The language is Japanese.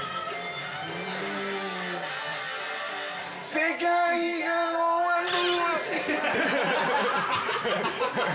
世界が終わる◆